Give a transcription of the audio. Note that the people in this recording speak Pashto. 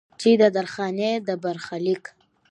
چې د درخانۍ د برخليک